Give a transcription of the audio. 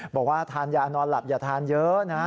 บอกว่าทานยานอนหลับอย่าทานเยอะนะ